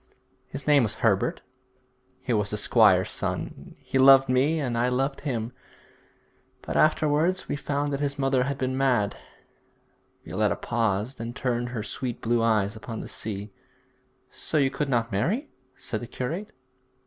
'His name was Herbert. He was the squire's son. He loved me and I loved him, but afterwards we found that his mother had been mad ' Violetta paused and turned her sweet blue eyes upon the sea. 'So you could not marry?' said the curate.